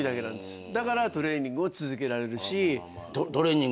だからトレーニングを続けられるし。